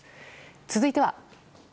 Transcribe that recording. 続いては。